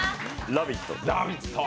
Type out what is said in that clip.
「ラヴィット！」。